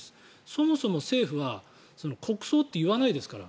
そもそも政府は国葬と言わないですから。